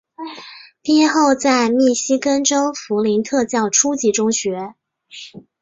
毕业后在密西根州弗林特教初级中学。